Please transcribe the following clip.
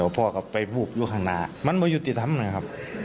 แล้วพ่อก็ไปบุพยุคธนามันไม่ยุติธรรมนะครับ